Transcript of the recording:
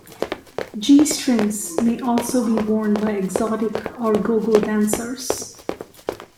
G-strings may also be worn by exotic or go-go dancers.